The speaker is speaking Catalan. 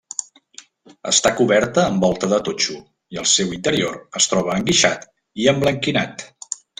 Està coberta amb volta de totxo, i el seu interior es troba enguixat i emblanquinat.